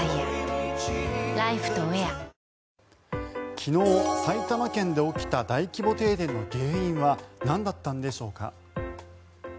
昨日、埼玉県で起きた大規模停電の原因はなんだったんでしょうか。